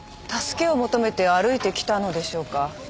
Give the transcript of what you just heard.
助けを求めて歩いてきたのでしょうか？